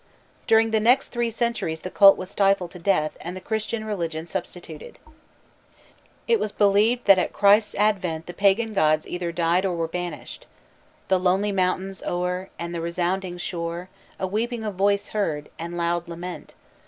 During the next three centuries the cult was stifled to death, and the Christian religion substituted. It was believed that at Christ's advent the pagan gods either died or were banished. "The lonely mountains o'er And the resounding shore A voice of weeping heard, and loud lament.